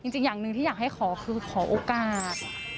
อย่างหนึ่งที่อยากให้ขอคือขอโอกาส